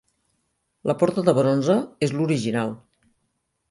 La porta de bronze és l'original.